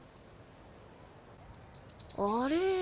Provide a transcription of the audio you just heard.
あれ？